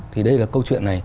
thì đây là câu chuyện này